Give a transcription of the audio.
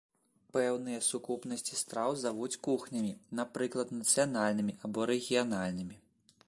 Пэўныя сукупнасці страў завуць кухнямі, напрыклад нацыянальнымі або рэгіянальнымі.